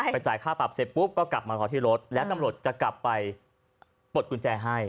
จ่ายค่าปรับเสร็จปุ๊บก็กลับมารอที่รถแล้วตำรวจจะกลับไปปลดกุญแจให้